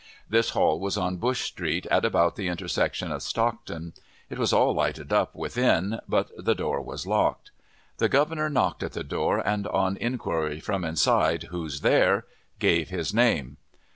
This hall was on Bush Street, at about the intersection of Stockton. It was all lighted up within, but the door was locked. The Governor knocked at the door, and on inquiry from inside "Who's there?" gave his name.